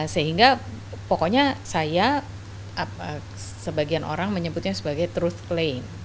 sehingga pokoknya saya sebagian orang menyebutnya sebagai truth claim